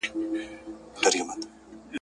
تر ماپښینه وو آس څوځایه ویشتلی `